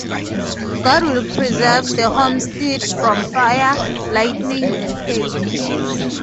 God will preserve the homestead from fire, lightning, and hail.